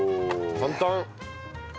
簡単。